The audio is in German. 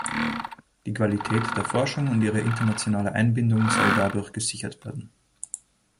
Die Qualität der Forschung und ihre internationale Einbindung soll dadurch gesichert werden.